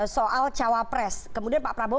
soal cawapres kemudian pak prabowo